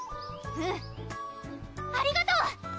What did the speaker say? うんありがとう！